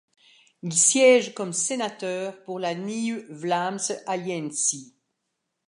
Il siège comme sénateur pour la Nieuw-Vlaamse Alliantie.